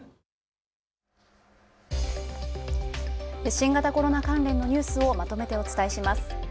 新型コロナ関連のニュースをまとめてお伝えします。